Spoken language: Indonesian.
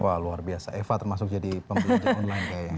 wah luar biasa eva termasuk jadi pembelajar online kayaknya